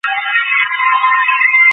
তিনি সংসারত্যাগী ফকির ছিলেন না।